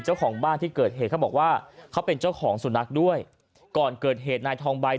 เจ้าของบ้านที่เกิดเหตุเขาบอกว่าเขาเป็นเจ้าของสุนัขด้วยก่อนเกิดเหตุนายทองใบ